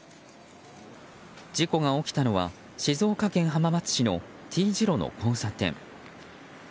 事故が起きたのは静岡県浜松市のＴ字路の交差点。